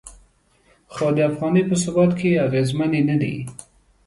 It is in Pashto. خو د افغانۍ په ثبات کې اغیزمنې نه دي.